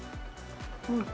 うん。